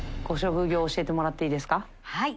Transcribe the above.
はい。